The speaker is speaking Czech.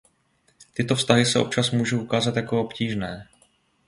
Tyto vztahy se občas můžou ukázat jako obtížné.